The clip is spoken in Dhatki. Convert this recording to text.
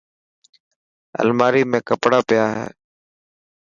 الماري ۾ ڪپڙا پيا هي.